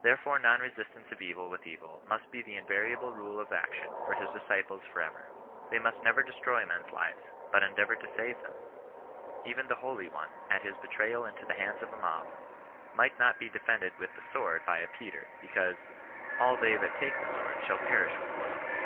Therefore non resistance of evil with evil must be the invariable rule of action for his disciples for CHRISTIAN NON BESISTANOE. 39 ever. They must never destroy men's lives, but endea vour to save them. Even the holy one, at his betrayal into the hands of a mob, might not be defended with the sword by a Peter, because, " All they that take the sword shall perish with the sword."